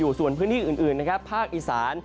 อยู่ส่วนพื้นที่อื่นนะครับภาคอีสาน